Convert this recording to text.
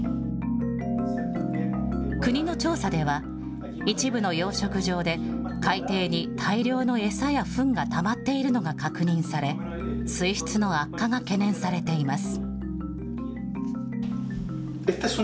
国の調査では、一部の養殖場で、海底に大量の餌やふんがたまっているのが確認され、水質の悪化が懸念されています。